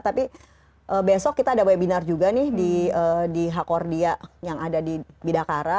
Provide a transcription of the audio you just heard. tapi besok kita ada webinar juga nih di hakkordia yang ada di bidakara